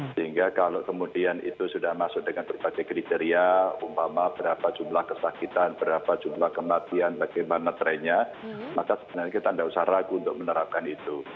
sehingga kalau kemudian itu sudah masuk dengan berbagai kriteria umpama berapa jumlah kesakitan berapa jumlah kematian bagaimana trennya maka sebenarnya kita tidak usah ragu untuk menerapkan itu